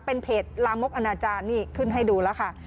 เป็นเพจลามกอนาจารย์นี่ขึ้นให้ดูแล้วค่ะ